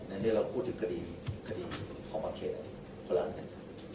ในนี้เราก็พูดถึงคดีนี้คดีของประเทศคนละส่วนกัน